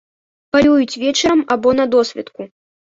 Палююць вечарам або на досвітку.